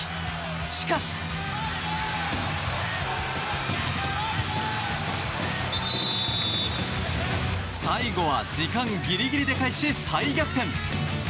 しかし。最後は時間ギリギリで返し再逆転。